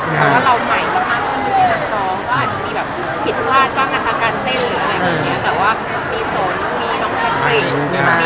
มีส่วนเกี่ยวข้องมาก